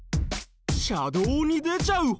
車道に出ちゃう歩道橋！？